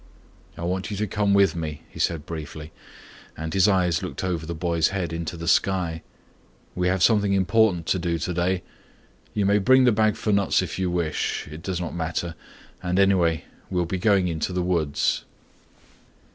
"I want you to come with me," he said briefly, and his eyes looked over the boy's head into the sky. "We have something important to do today. You may bring the bag for nuts if you wish. It does not matter and anyway we will be going into the woods."